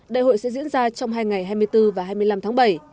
đại hội sẽ diễn ra trong hai ngày hai mươi bốn và hai mươi năm tháng bảy